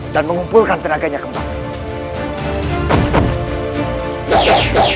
dan mengumpulkan tenaganya kembali